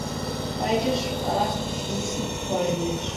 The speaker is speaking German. Beide sprachen fließend Polnisch.